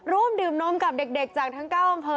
ดื่มนมกับเด็กจากทั้ง๙อำเภอ